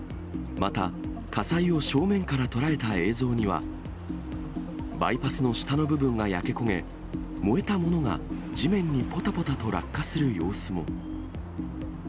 また、火災を正面から捉えた映像には、バイパスの下の部分が焼け焦げ、燃えたものが地面にぽたぽたと落下する様子も。